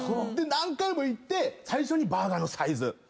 で何回も行って最初にバーガーのサイズ。